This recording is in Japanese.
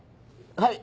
はい。